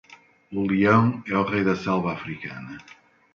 O leão é o rei da selva africana